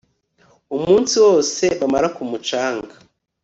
umunsi wose bamara ku mucanga